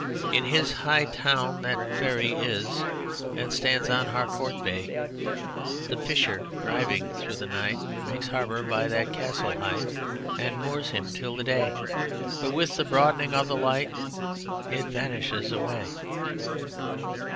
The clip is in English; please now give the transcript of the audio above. In his High Town that Faery is And stands on Harcourt bay; The Fisher driving through the night Makes harbour by that castle height And moors him till the day: But with the broadening of the light It vanishes away.